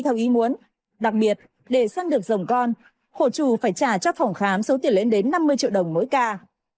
theo ý muốn đặc biệt để săn được dòng con khổ trù phải trả cho phòng khám số tiền lên đến năm mươi triệu đồng mỗi ca